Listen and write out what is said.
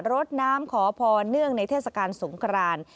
รดน้ำขอพรเนื่องในเทศกาลสงคราน